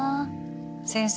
先生